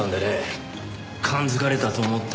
感づかれたと思ったよ。